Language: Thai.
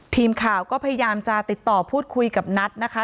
ทีมข่าวก็พยายามจะติดต่อพูดคุยกับนัทนะคะ